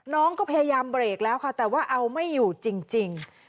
น้องก็พยายามเบรกแล้วค่ะแต่ว่าเอาไม่อยู่จริง